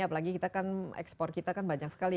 apalagi ekspor kita kan banyak sekali ya